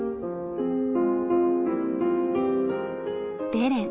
「ベレン」。